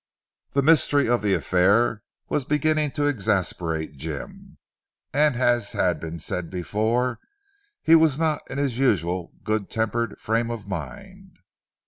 The mystery of the affair was beginning to exasperate Jim, and as has been said before he was not in his usual good tempered frame of mind.